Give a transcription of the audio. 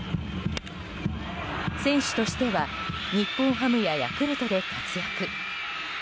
選手としては日本ハムや、ヤクルトで活躍。